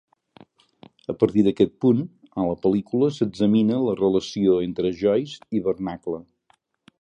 A partir d'aquest punt, a la pel·lícula s'examina la relació entre Joyce i Barnacle.